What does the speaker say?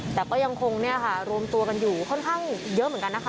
แต่ก็ยังคงเนี่ยค่ะรวมตัวกันอยู่ค่อนข้างเยอะเหมือนกันนะคะ